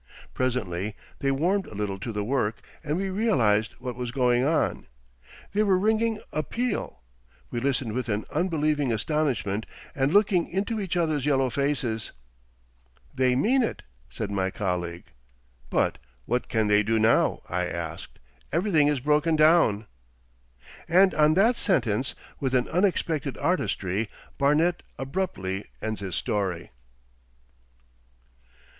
Presently they warmed a little to the work, and we realised what was going on. They were ringing a peal. We listened with an unbelieving astonishment and looking into each other's yellow faces. '"They mean it," said my colleague. '"But what can they do now?" I asked. "Everything is broken down...."' And on that sentence, with an unexpected artistry, Barnet abruptly ends his story.